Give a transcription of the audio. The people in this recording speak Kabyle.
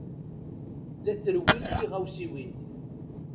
La trewwim tiɣawsiwin.